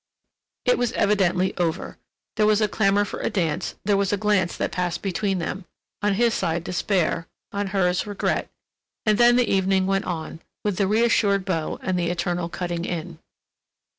It was evidently over. There was a clamor for a dance, there was a glance that passed between them—on his side despair, on hers regret, and then the evening went on, with the reassured beaux and the eternal cutting in.